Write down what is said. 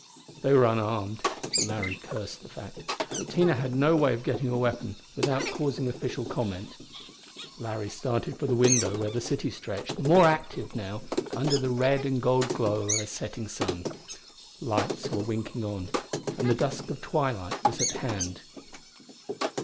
They were unarmed. Larry cursed the fact, but Tina had no way of getting a weapon without causing official comment. Larry started for the window where the city stretched, more active now, under the red and gold glow of a setting sun. Lights were winking on; the dusk of twilight was at hand.